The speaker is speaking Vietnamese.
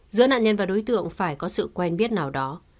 giữa nạn nhân và đối tượng phải có sự quen biết nào đó